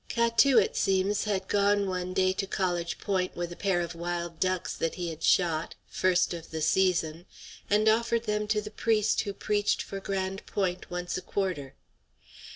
Catou, it seems, had gone one day to College Point with a pair of wild ducks that he had shot, first of the season, and offered them to the priest who preached for Grande Pointe once a quarter.